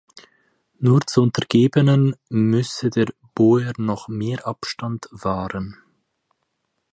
Nur zu Untergebenen müsse de Boer noch mehr Abstand wahren.